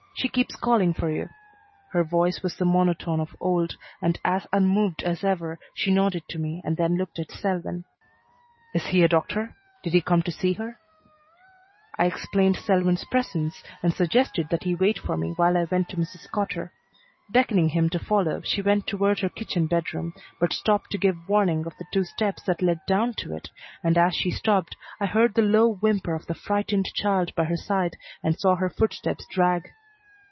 She keeps calling for you." Her voice was the monotone of old, and, as unmoved as ever, she nodded to me and then looked at Selwyn. "Is he a doctor? Did he come to see her?" I explained Selwyn's presence and suggested that he wait for me while I went to Mrs. Cotter. Beckoning him to follow, she went toward her kitchen bedroom, but stopped to give warning of the two steps that led down to it, and as she stopped I heard the low whimper of the frightened child by her side and saw her footsteps drag.